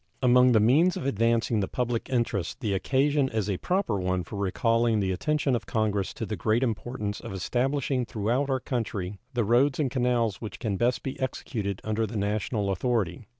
Among the means of advancing the public interest the occasion is a proper one for recalling the attention of Congress to the great importance of establishing throughout our country the roads and canals which can best be executed under the national authority.